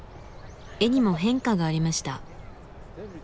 絵にも変化がありました。